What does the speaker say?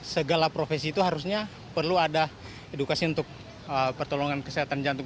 segala profesi itu harusnya perlu ada edukasi untuk pertolongan kesehatan jantung